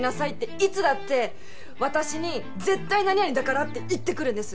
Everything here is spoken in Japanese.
いつだって私に「絶対何々だから」って言ってくるんです。